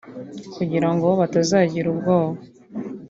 kugira ngo batazagira ubwoba